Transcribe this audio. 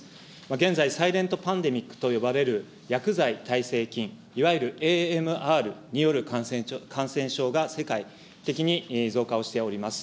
現在、サイレントパンデミックと呼ばれる薬剤耐性菌、いわゆるＡＭＲによる感染症が、世界的に増加をしております。